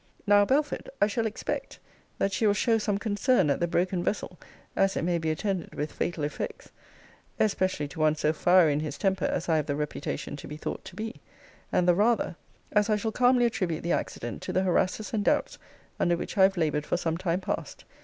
Now, Belford, I shall expect, that she will show some concern at the broken vessel, as it may be attended with fatal effects, especially to one so fiery in his temper as I have the reputation to be thought to be: and the rather, as I shall calmly attribute the accident to the harasses and doubts under which I have laboured for some time past.